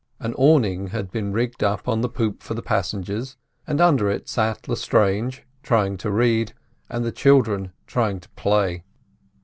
An awning had been rigged up on the poop for the passengers, and under it sat Lestrange, trying to read, and the children trying to play.